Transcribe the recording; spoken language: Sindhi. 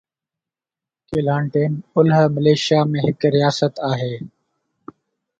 Kelantan اولهه ملائيشيا ۾ هڪ رياست آهي.